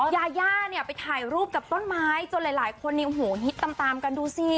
ยาย่าเนี่ยไปถ่ายรูปกับต้นไม้จนหลายคนฮิตตามกันดูสิ